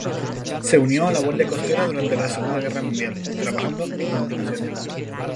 Se unió a la Guardia Costera durante la Segunda Guerra Mundial, trabajando en comunicaciones.